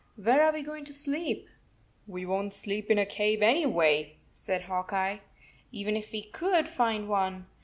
Where are we going to sleep ?" "We won t sleep in a cave anyway," said Hawk Eye, "even if we could find one.